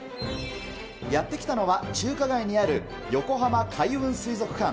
やって来たのは中華街にある横浜開運水族館。